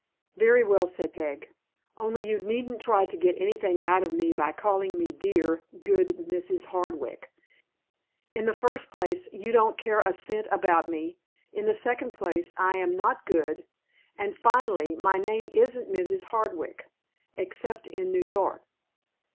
"Very well," said Peg, "only you needn't try to get anything out of me by calling me dear, good Mrs. Hardwick. In the first place, you don't care a cent about me. In the second place, I am not good; and finally, my name isn't Mrs. Hardwick, except in New York."